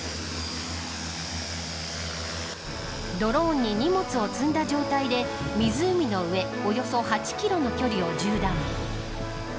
ドローンに荷物を積んだ状態で湖の上およそ８キロの距離を縦断。